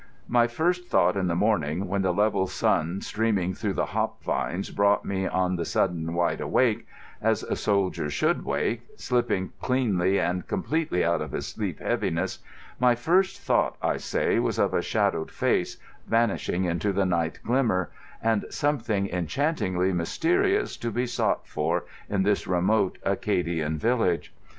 My first thought in the morning, when the level sun streaming through the hop vines brought me on the sudden wide awake—as a soldier should wake, slipping cleanly and completely out of his sleep heaviness—my first thought, I say, was of a shadowed face vanishing into the night glimmer, and something enchantingly mysterious to be sought for in this remote Acadian village.